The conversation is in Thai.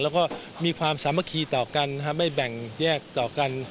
แล้วก็มีความสามัคคีต่อกันไม่แบ่งแยกต่อกัน